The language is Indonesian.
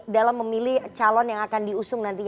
dalam memilih calon yang akan diusung nanti